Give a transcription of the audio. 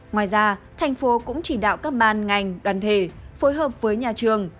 ngoài ra thành phố cũng chỉ đạo các ban ngành đoàn thể phối hợp với nhà trường